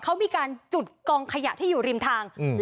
เขามีการจุดกองขยะที่อยู่ริมทางอืม